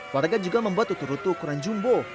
warga juga membuat lutu rutu ukuran jumbo